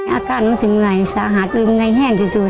อาการมันจะเหนื่อยสาหัสหรือไงแห้งที่สุด